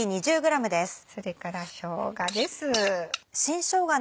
それからしょうがです。